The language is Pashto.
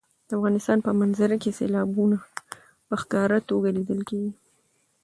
د افغانستان په منظره کې سیلابونه په ښکاره توګه لیدل کېږي.